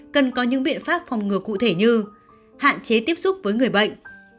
cần có những biện pháp phòng ngừa cụ thể như hạn chế tiếp xúc với người bệnh